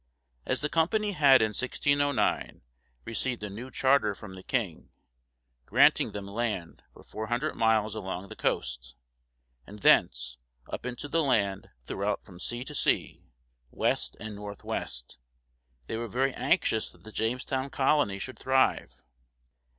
As the company had in 1609 received a new charter from the king, granting them land for four hundred miles along the coast, and thence "up into the land throughout from sea to sea, west and northwest," they were very anxious that the Jamestown colony should thrive.